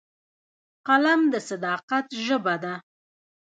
قلم د صداقت ژبه ده